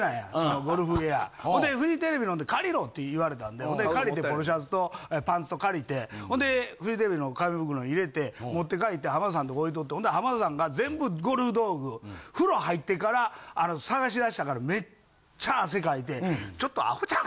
ほんでフジテレビのんで借りろって言われたんで借りてポロシャツとパンツと借りてほんでフジテレビの紙袋に入れて持って帰って浜田さんとこ置いとってほんで浜田さんが全部ゴルフ道具風呂入ってから探しだしたからめっちゃ汗かいて。